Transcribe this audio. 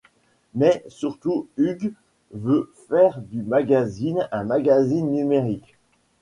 Mais surtout Hughes veut faire du magazine un magazine numérique.